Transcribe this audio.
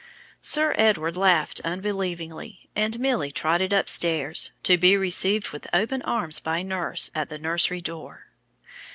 Sir Edward laughed unbelievingly, and Milly trotted upstairs to be received with open arms by nurse at the nursery door.